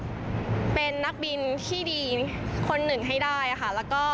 ก็เป็นนักบินที่ดีคนหนึ่งให้ได้ค่ะ